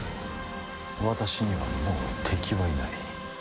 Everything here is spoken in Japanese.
私には、もう敵はいない。